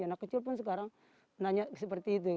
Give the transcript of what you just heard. anak kecil pun sekarang nanya seperti itu